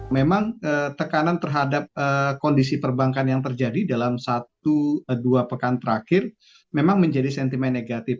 memang tekanan terhadap kondisi perbankan yang terjadi dalam satu dua pekan terakhir memang menjadi sentimen negatif